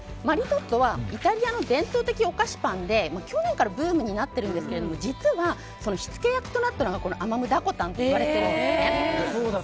マリトッツォはイタリアの伝統的お菓子パンで去年からブームになってるんですけど実は火付け役となったのがアマムダコタンといわれているんです。